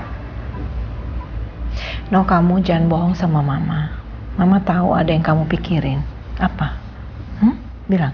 no kamu jangan bohong sama mama mama tahu ada yang kamu pikirin apa bilang